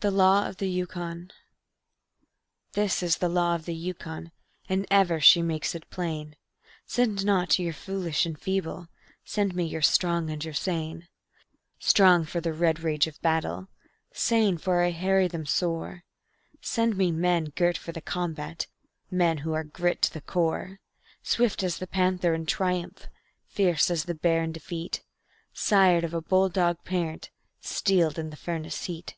The Law of the Yukon This is the law of the Yukon, and ever she makes it plain: "Send not your foolish and feeble; send me your strong and your sane Strong for the red rage of battle; sane for I harry them sore; Send me men girt for the combat, men who are grit to the core; Swift as the panther in triumph, fierce as the bear in defeat, Sired of a bulldog parent, steeled in the furnace heat.